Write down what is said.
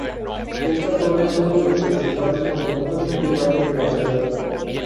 Esta torre es uno de los principales monumentos medievales de la ciudad.